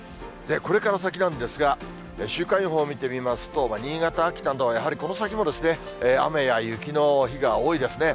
これから先なんですが、週間予報を見てみますと、新潟、秋田などはやはり、この先も雨や雪の日が多いですね。